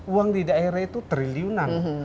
uang di daerah itu triliunan